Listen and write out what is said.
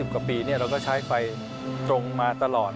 ๓๐กว่าปีก็ใช้ไฟตรงมาตลอด